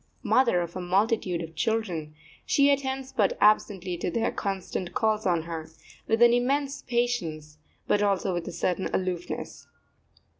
Mother of a multitude of children, she attends but absently to their constant calls on her, with an immense patience, but also with a certain aloofness.